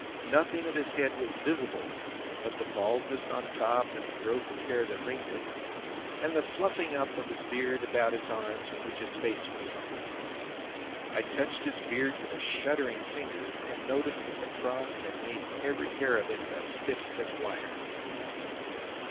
Nothing of his head was visible but the baldness on the top and the growth of hair that ringed it, and the fluffing up of his beard about his arms in which his face was sunk. I touched his beard with a shuddering finger, and noted that the frost had made every hair of it as stiff as wire.